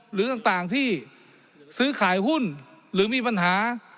หรือต่างที่ซื้อขายหุ้นหรือมีปัญหา